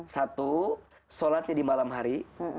satu sholatnya di malam hari